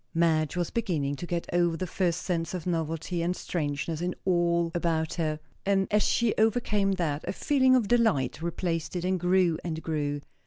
Madge was beginning to get over the first sense of novelty and strangeness in all about her; and, as she overcame that, a feeling of delight replaced it, and grew and grew.